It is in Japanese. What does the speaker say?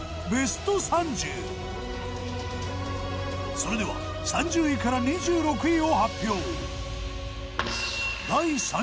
それでは３０位から２６位を発表。